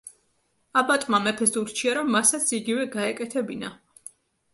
აბატმა მეფეს ურჩია, რომ მასაც იგივე გაეკეთებინა.